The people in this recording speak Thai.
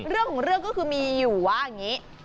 เรื่องของเรื่องก็คือมีอยู่ว่าอย่างนี้